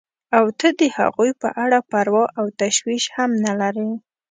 او ته د هغوی په اړه پروا او تشویش هم نه لرې.